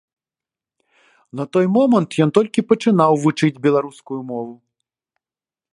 На той момант ён толькі пачынаў вучыць беларускую мову.